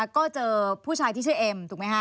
ก็เจอผู้ชายที่ชื่อเอ็มถูกไหมฮะ